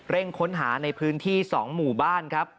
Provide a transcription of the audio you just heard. ค้นหาในพื้นที่๒หมู่บ้านครับ